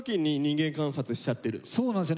そうなんですよ。